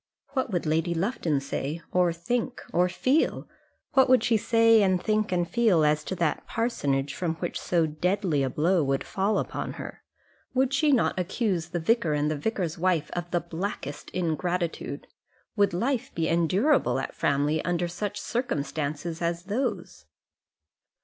What would Lady Lufton say, or think, or feel? What would she say, and think, and feel as to that parsonage from which so deadly a blow would fall upon her? Would she not accuse the vicar and the vicar's wife of the blackest ingratitude? Would life be endurable at Framley under such circumstances as those?